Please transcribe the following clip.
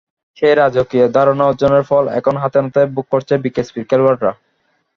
সেই রাজকীয় ধারণা অর্জনের ফল এখন হাতেনাতে ভোগ করছে বিকেএসপির খেলোয়াড়েরা।